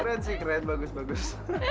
keren sih keren bagus bagus